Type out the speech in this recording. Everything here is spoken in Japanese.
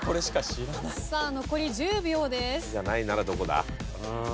さあ残り１０秒です。